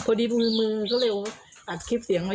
พอดีมือก็เลยอัดคลิปเสียงมา